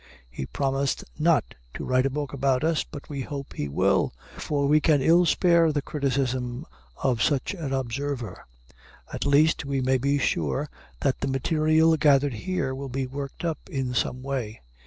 He promised not to write a book about us, but we hope he will, for we can ill spare the criticism of such an observer. At least, we may be sure that the material gathered here will be worked up in some way.